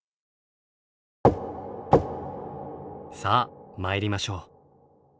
さあ参りましょう。